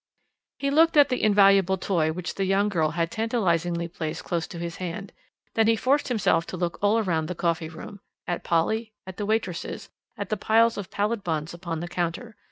He looked at the invaluable toy which the young girl had tantalisingly placed close to his hand: then he forced himself to look all round the coffee room: at Polly, at the waitresses, at the piles of pallid buns upon the counter.